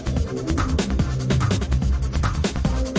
เขาใจว่ากระจอกหรือไม่กระจอก